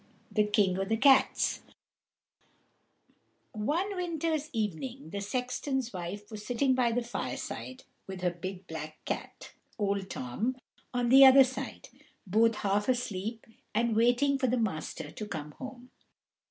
The King o' the Cats One winter's evening the sexton's wife was sitting by the fireside with her big black cat, Old Tom, on the other side, both half asleep and waiting for the master to come home.